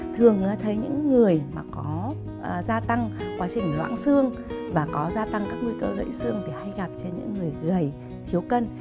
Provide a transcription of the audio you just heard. thường thấy những người mà có gia tăng quá trình loãng xương và có gia tăng các nguy cơ gãy xương thì hay gặp trên những người gầy thiếu cân